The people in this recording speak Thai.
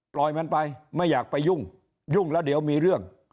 ปล่อยมันไปไม่อยากไปยุ่งยุ่งแล้วเดี๋ยวมีเรื่อง